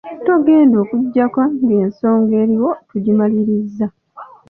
Togenda okuggyako ng'ensonga eriwo tugimalirizza